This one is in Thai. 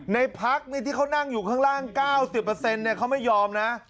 ในพักที่เขานั่งอยู่ข้างล่าง๙๐เขาไม่ยอมนะ